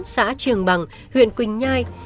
xã trường bằng huyện quỳnh nhai